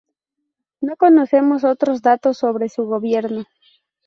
No conocemos otros datos sobre su gobierno.